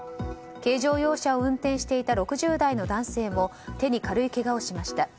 軽乗用車を運転していた６０代の男性も手に軽いけがをしました。